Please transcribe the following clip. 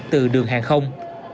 từ đường hàng không